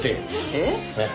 えっ？